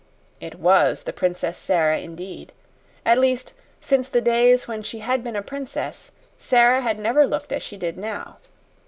It was the Princess Sara indeed. At least, since the days when she had been a princess, Sara had never looked as she did now.